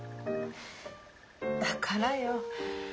だからよ。